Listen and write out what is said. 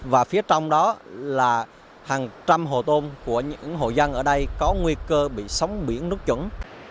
và phía trong đó là hàng trăm hồ tôm của những hội dân ở đây có nguy cơ bị sóng biển nuốt trừng